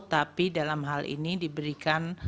tapi dalam hal ini diberikan